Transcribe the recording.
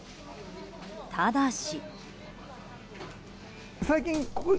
ただし。